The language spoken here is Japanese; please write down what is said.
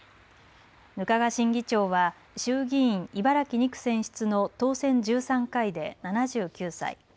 額賀新議長は衆議院茨城２区選出の当選１３回で７９歳。